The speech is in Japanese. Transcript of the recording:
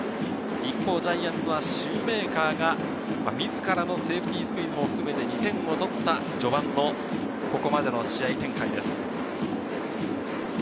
一方、ジャイアンツはシューメーカーが、自らのセーフティースクイズも含めて２点を取った序盤のここまでの試合展開です。